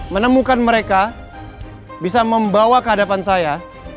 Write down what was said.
menemukan mereka bisa membawa kehadapan saya